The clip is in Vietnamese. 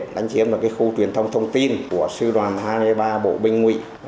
đánh chiếm được khu truyền thông thông tin của sư đoàn hai mươi ba bộ binh nguyễn